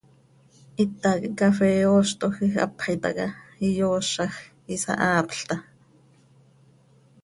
Hita quih cafee ooztoj quij hapx itaca, iyoozaj, isahaapl taa.